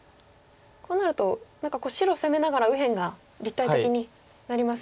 こうなると白を攻めながら右辺が立体的になりますよね。